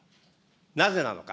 なぜなのか。